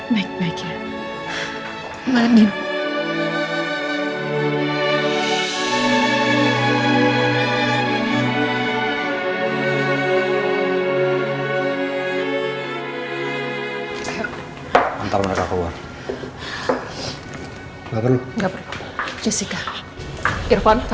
bapaknya semua keluarga kita